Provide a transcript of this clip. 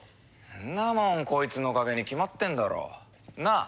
んなもんこいつのおかげに決まってんだろ。なあ？